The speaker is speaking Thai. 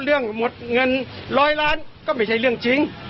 เรื่องหมดเงิน๑๐๐ล้านก็ไม่ใช่เรื่องจริง